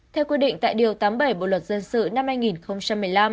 theo quy định tại điều tám mươi bảy bộ luật dân sự năm hai nghìn một mươi năm